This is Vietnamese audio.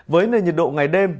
với nơi nhiệt độ ngày đêm